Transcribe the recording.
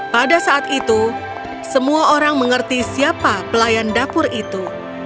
pada saat itu semua orang mengerti siapa pelayan dapur itu